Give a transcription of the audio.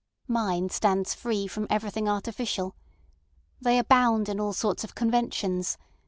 Mine stands free from everything artificial. They are bound in all sorts of conventions.